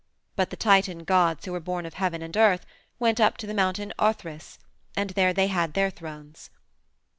But the Titan gods who were born of Heaven and Earth went up to the Mountain Othrys, and there they had their thrones.